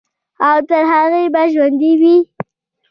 او تر هغې به ژوندے وي،